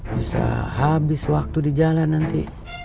bisa habis waktu di jalan nanti